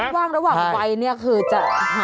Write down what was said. ในช่องว่างระหว่างวัยคือจะหายละ